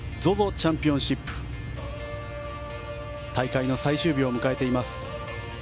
チャンピオンシップ大会の最終日を迎えています。